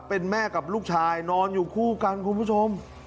เป็นแม่กับลูกชายนอนอยู่คู่กันคุณผู้ชม